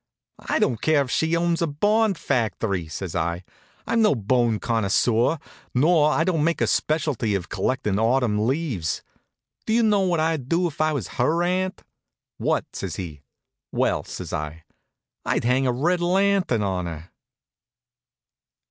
"I don't care if she owns a bond factory," says I. "I'm no bone connoisseur, nor I don't make a specialty of collectin' autumn leaves. Do you know what I'd do if I was her aunt?" "What?" says he. "Well," says I, "I'd hang a red lantern on her."